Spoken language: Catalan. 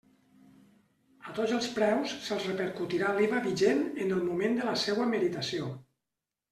A tots els preus se'ls repercutirà l'IVA vigent en el moment de la seua meritació.